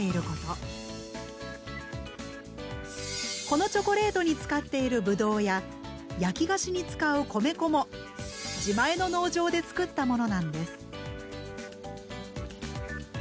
このチョコレートに使っているブドウや焼き菓子に使う米粉も自前の農場でつくったものなんです。